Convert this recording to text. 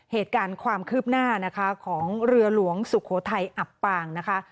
เหตุการณ์ความคืบหน้านะคะของเรือหลวงสุโขทัยอับปางนะคะ